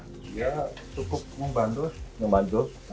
ya cukup membantu